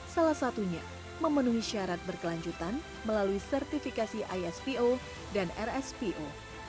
salah satunya memenuhi syarat berkelanjutan melalui sertifikasi ispo dan rspo